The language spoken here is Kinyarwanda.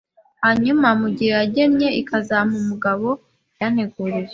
hanyuma mu gihe yagennye ikazampa umugabo yanteguriye